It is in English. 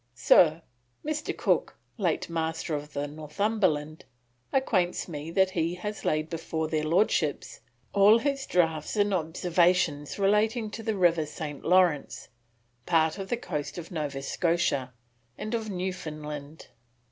Sir, Mr. Cook, late Master of the Northumberland, acquaints me that he has laid before their Lordships all his draughts and observations relating to the River St. Lawrence, part of the coast of Nova Scotia, and of Newfoundland.